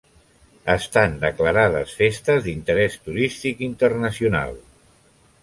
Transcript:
Estan declarades festes d'interès turístic internacional.